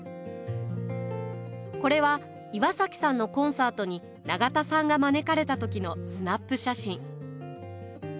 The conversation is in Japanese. これは岩崎さんのコンサートに永田さんが招かれた時のスナップ写真。